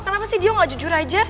kenapa sih dia gak jujur aja